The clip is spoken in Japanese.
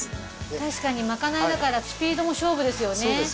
たしかにまかないだからスピードも勝負ですよね。